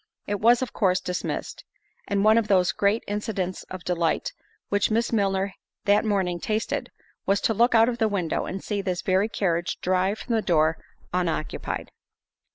It was of course dismissed—and one of those great incidents of delight which Miss Milner that morning tasted, was to look out of the window, and see this very carriage drive from the door unoccupied.